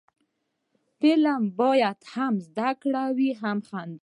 فلم باید هم زده کړه وي، هم خندا